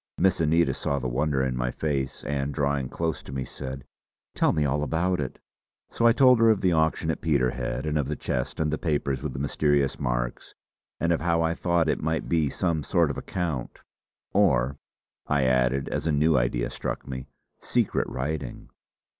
Miss Anita saw the wonder in my face and drawing close to me said: "Tell me all about it!" So I told her of the auction at Peterhead and of the chest and the papers with the mysterious marks, and of how I thought it might be some sort of account "or," I added as a new idea struck me "secret writing."